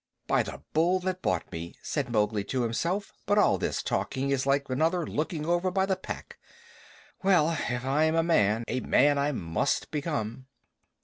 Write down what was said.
"By the Bull that bought me," said Mowgli to himself, "but all this talking is like another looking over by the Pack! Well, if I am a man, a man I must become."